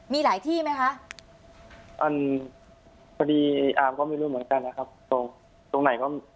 มีหลายที่ไหมคะอันพอดีอาร์มก็ไม่รู้เหมือนกันนะครับตรงตรงไหนก็